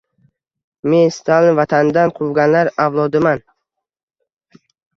Men Stalin vatanidan quvganlar avlodiman.